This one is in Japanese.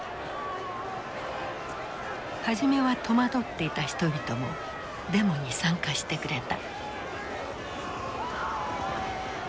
初めは戸惑っていた人々もデモに参加してくれた。